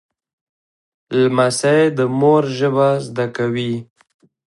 لمسی د مور ژبه زده کوي.